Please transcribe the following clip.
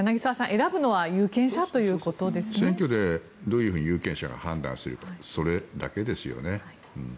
選挙でどういうふうに有権者が判断するかそれだけですよね。